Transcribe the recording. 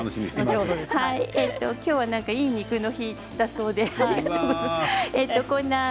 きょうは、いい肉の日だそうです。